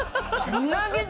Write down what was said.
うなぎだ！